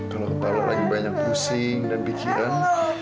kalau kepala lagi banyak pusing dan bijian